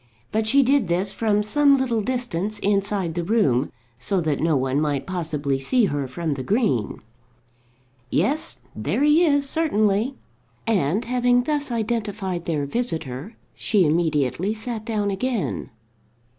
But she did this from some little distance inside the room, so that no one might possibly see her from the green. "Yes; there he is, certainly," and, having thus identified their visitor, she immediately sat down again.